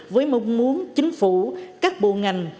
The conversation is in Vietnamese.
với mong muốn chính phủ các bộ ngành